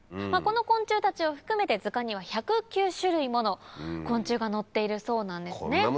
この昆虫たちを含めて図鑑には１０９種類もの昆虫が載っているそうなんですね。